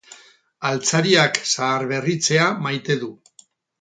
Altzariak zaharberritzea maite du.